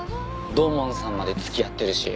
土門さんまで付き合ってるし。